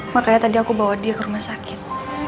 makanya tadi aku bawa dia ke rumah sakit